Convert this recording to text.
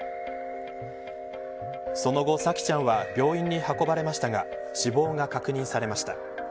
その後、沙季ちゃんは病院に運ばれましたが死亡が確認されました。